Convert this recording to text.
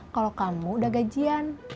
kalau kamu udah gajian